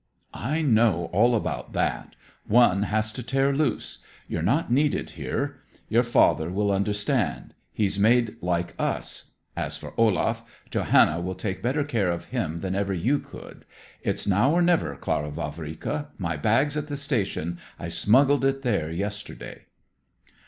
"I know all about that. One has to tear loose. You're not needed here. Your father will understand; he's made like us. As for Olaf, Johanna will take better care of him than ever you could. It's now or never, Clara Vavrika. My bag's at the station; I smuggled it there yesterday."